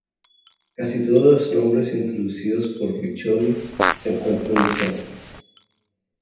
Casi todos los nombres introducidos por Riccioli se encuentran vigentes.